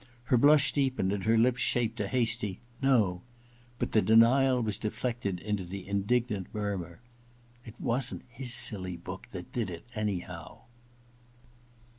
Her blush deepened and her lips shaped a hasty * No *; but the denial was deflected into the indignant murmur —* It wasn't his silly book that (Hd it, anyhow